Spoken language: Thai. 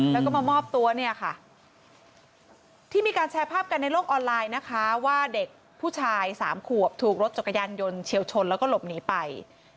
แล้วก็มามอบตัวเนี่ยค่ะที่มีการแชร์ภาพกันในโลกออนไลน์นะคะว่าเด็กผู้ชายสามขวบถูกรถจักรยานยนต์เฉียวชนแล้วก็หลบหนีไป